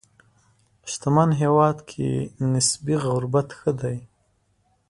شتمن هېواد کې نسبي غربت ښه دی.